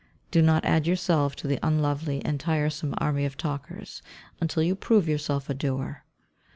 Do not add yourself to the unlovely and tiresome army of talkers, until you prove yourself a doer.